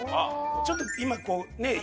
ちょっと今こうねえ？